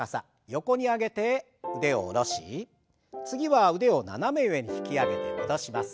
横に上げて腕を下ろし次は腕を斜め上に引き上げて戻します。